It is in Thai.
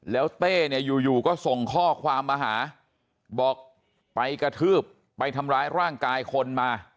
แล้วเต้เนี่ยอยู่ก็ส่งข้อความมาหาบอกไปกระทืบไปทำร้ายร่างกายคนมา